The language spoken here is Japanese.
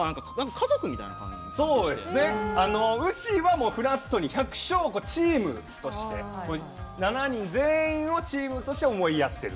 そうですねウシがフラットに百姓をチームとして７人全員をチームとして思いやっている。